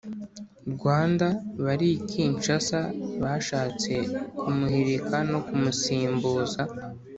Rwanda bari i Kinshasa bashatse kumuhirika no kumusimbuza